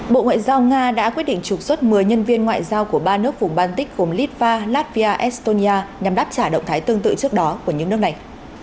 bộ ngoại giao nga đã quyết định trục xuất một mươi nhân viên ngoại giao của ba nước vùng baltic gồm litva latvia estonia nhằm đáp trả động thái tương tự trước đó của những nước này